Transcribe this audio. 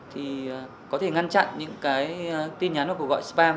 thì có thể ngăn chặn những cái tin nhắn và cuộc gọi spam